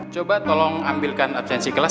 coba tolong ambilkan atensi kelas